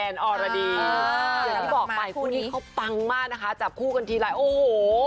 อย่างที่บอกไปคู่นี้เขาปังมากนะคะจับคู่กันทีไรโอ้โห